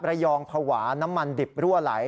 ระยองภาวะน้ำมันดิบรั่วไหล